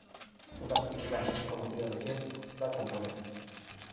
Una actividad menos conocida de Kempff era componer.